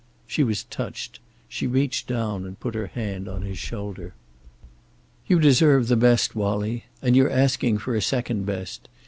She was touched. She reached down and put her hand on his shoulder. "You deserve the best, Wallie. And you're asking for a second best.